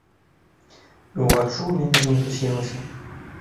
І ўваччу ў мяне замітусілася.